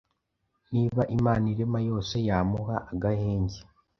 Niba Imana irema yose yamuha agahenge